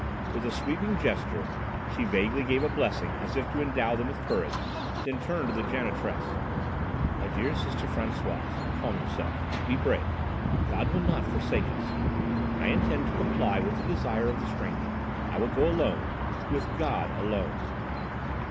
With a sweeping gesture, she vaguely gave a blessing as if to endow them with courage, then turned to the janitress. "My dear Sister Françoise, calm yourself! Be brave! God will not forsake us! I intend to comply with the desire of the stranger. I will go alone with God alone!"